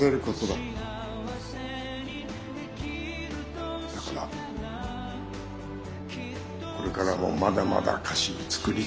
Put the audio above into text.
だからこれからもまだまだ菓子作り続ける。